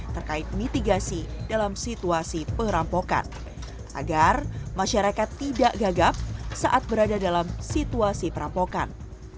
terkait mitigasi dalam situasi perampokan agar masyarakat tidak gagap saat berada dalam situasi perampokan